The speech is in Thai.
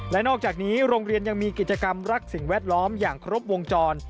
และนอกจากนี้โรงเรียนยังมีกิจกรรมรักสิ่งแวดล้อมอย่างครบวงจร